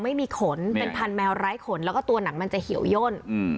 ไม่มีขนเป็นพันธแมวไร้ขนแล้วก็ตัวหนังมันจะเหี่ยวย่น